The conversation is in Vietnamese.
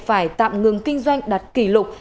phải tạm ngừng kinh doanh đặt kỷ lục